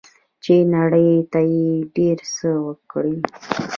چې نړۍ ته یې ډیر څه ورکړي.